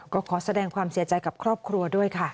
ก็ขอแสดงความเสียใจกับครอบครัวด้วยค่ะ